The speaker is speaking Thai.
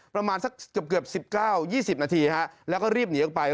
ประมาณสักเกือบ๑๙๒๐นาทีแล้วก็รีบหนีออกไป